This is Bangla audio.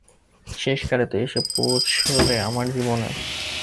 শেষকালে তো এসে পৌঁছলে আমার জীবনে।